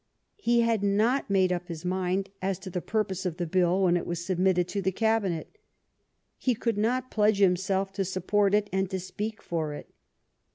He had not made up his mind as to the purpose of the bill when it was submitted to the Cabinet. He could not pledge himself to support it and to speak for it.